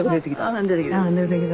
あ出てきた。